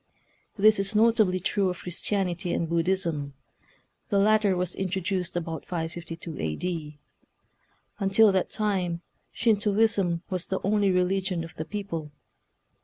This is notably true of Chris tianity and Buddhism. The latter was introduced about 552 A. D. Until that time Shintoism was the only religion of the people.